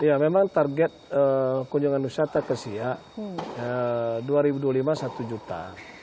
ya memang target kunjungan wisata ke siak dua ribu dua puluh lima satu juta